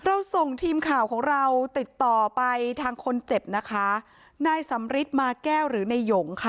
เราส่งทีมข่าวของเราติดต่อไปทางคนเจ็บนะคะนายสำริทมาแก้วหรือนายหยงค่ะ